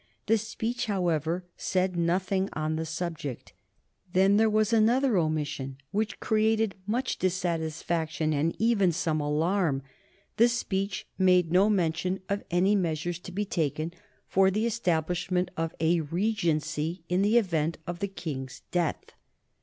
The speech, however, said nothing on the subject. Then there was another omission which created much dissatisfaction and even some alarm. The speech made no mention of any measures to be taken for the establishment of a regency in the event of the King's death.